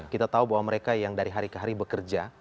kita tahu bahwa mereka yang dari hari ke hari bekerja